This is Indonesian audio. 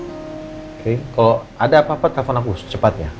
oke kalau ada apa apa telpon aku secepatnya